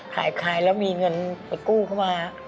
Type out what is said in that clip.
ขายแล้วมีเงินไปกู้เข้ามา